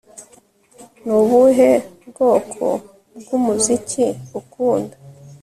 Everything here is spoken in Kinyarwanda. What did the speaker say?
Ni ubuhe bwoko bwumuziki ukunda